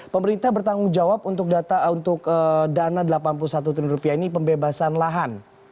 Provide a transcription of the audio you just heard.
pemerintah bertanggung jawab untuk dana rp delapan puluh satu triliun ini pembebasan lahan